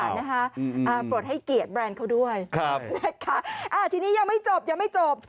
อ่าโปรดให้เกียรติแบรนด์เขาด้วยนะค่ะอ่าทีนี้ยังไม่จบ